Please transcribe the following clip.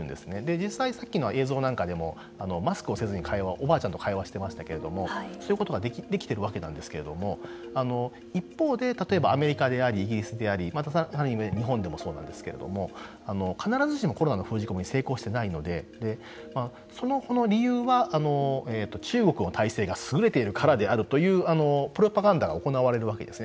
実際さっきの映像でもマスクをせずに会話をおばあちゃんと会話をしてましたけれどもそういうことができているわけなんですけれども一方で例えばアメリカでありイギリスでありまたさらに日本でもそうなんですけれども必ずしもコロナの封じ込めに成功していないのでその理由は中国の体制が優れているからであるというプロパガンダが行われているわけですね。